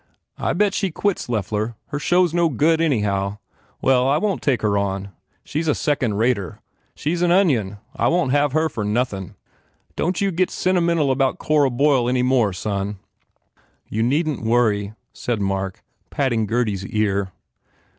I bet she quits Loeffler. Her show s no good, anyhow. Well, I won t take her on. She s a second rater. She s an onion. I won t have her for nothin . Don t you 6 4 FULL BLOOM get scntymental about Cora Boyle any more, son!" "You needn t worry," said Mark, patting Gurdy s ear.